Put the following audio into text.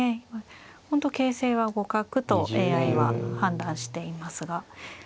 本当形勢は互角とＡＩは判断していますが。